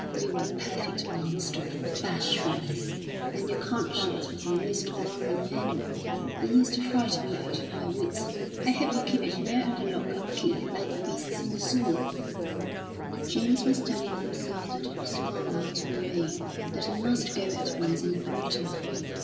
You were a perfect monster of bashfulness, and your conscience was a most alarming animal. It used to frighten me out of my wits; I hope you keep it now under lock and key, like the beasts in the Zoo." James was telling himself that it was folly to remain, that he must go at once and never return.